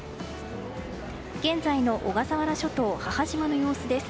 現在の小笠原諸島母島の様子です。